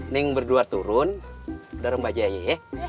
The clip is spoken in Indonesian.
neng berdua turun dorong bajenya ye